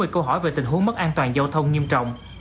ba mươi câu hỏi về tình huống mất an toàn giao thông nghiêm trọng